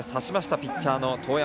ピッチャーの當山。